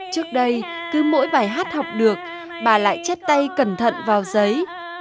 trước đây cứ mỗi bài hát học được bà lại chết tay cẩn thận vào giấy